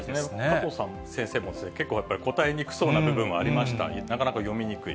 加藤先生も結構やっぱり答えにくそうな部分もありました、なかなか読みにくい。